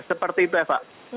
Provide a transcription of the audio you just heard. seperti itu eva